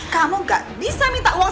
kamu gak bisa minta uang